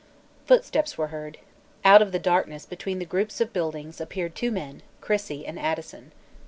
Footsteps were heard. Out of the darkness between the group of buildings appeared two men, Crissey and Addison.